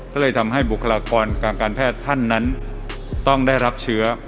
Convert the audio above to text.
ก็เลยทำให้บุคลากรทางการแพทย์ท่านนั้นต้องได้รับเชื้อ